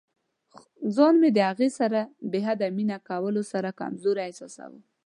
ځان مې د هغې سره په بې حده مینه کولو سره کمزوری احساساوه.